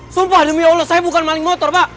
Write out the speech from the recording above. sumpah demi allah saya bukan maling motor pak